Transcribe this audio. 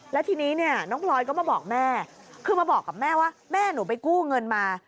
แล้วทีนี้เนี่ยน้องพลอยก็มาบอกแม่คือมาบอกกับแม่ว่าแม่หนูไปกู้เงินมา